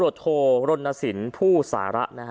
พระเจ้าอาวาสกันหน่อยนะครับ